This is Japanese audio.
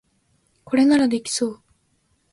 これならできそう